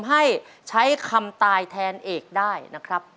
ให้ใช้คำตายแทนเอกได้นะครับ